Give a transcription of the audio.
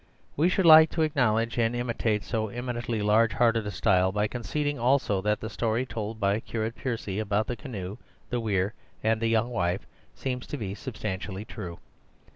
We should like to acknowledge and imitate so eminently large hearted a style by conceding also that the story told by Curate Percy about the canoe, the weir, and the young wife seems to be substantially true.